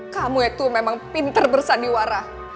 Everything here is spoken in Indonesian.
kamu itu memang pinter bersandiwara